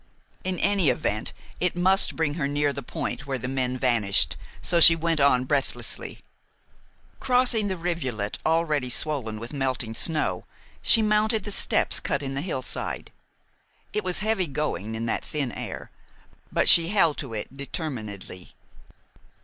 In any event, it must bring her near the point where the men vanished, so she went on breathlessly. Crossing the rivulet, already swollen with melting snow, she mounted the steps cut in the hillside. It was heavy going in that thin air; but she held to it determinedly.